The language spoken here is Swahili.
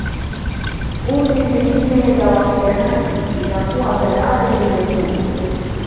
Kundi lingine la wapiganaji linakuwa tayari limefuzu